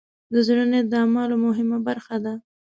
د زړۀ نیت د اعمالو مهمه برخه ده.